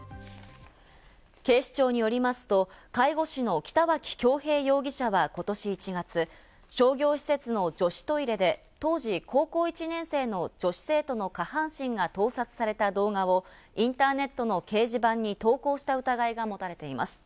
警視庁によりますと、介護士の北脇恭平容疑者はことし１月、商業施設の女子トイレで、当時、高校１年生の女子生徒の下半身が盗撮された動画をインターネットの掲示板に投稿した疑いが持たれています。